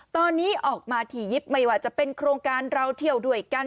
ตอนนี้ออกมาถี่ยิบไม่ว่าจะเป็นโครงการเราเที่ยวด้วยกัน